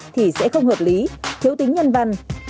thì sẽ không hợp lý thiếu tính nhân văn